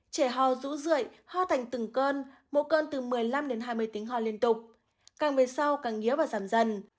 trẻ hò rũ rượi ho thành từng cơn mỗi cơn từ một mươi năm đến hai mươi tiếng hò liên tục càng về sau càng nghĩa và giảm dần